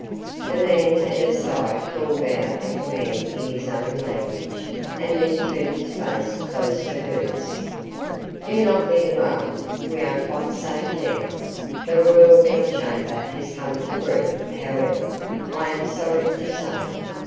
The man at her side called out a command in his own language, and then turned his face close to hers. "Do not be alarmed. We are quite safe now. The royal bed chamber has come to grief, however, I am sorry to say.